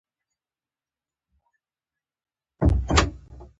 څنګه کولی شم د ماشومانو لپاره د الله تعالی لیدلو کیسه وکړم